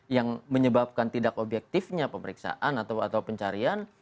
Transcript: yang menyebabkan tidak objektifnya pemeriksaan atau pencarian